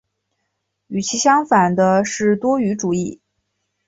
与其相反的是多语主义。